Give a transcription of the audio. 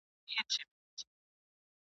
نیمه پټه په زړو څیري جامو کي !.